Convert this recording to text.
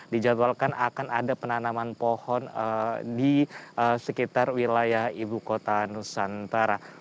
dijadwalkan akan ada penanaman pohon di sekitar wilayah ibu kota nusantara